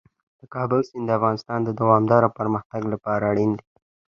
د کابل سیند د افغانستان د دوامداره پرمختګ لپاره اړین دي.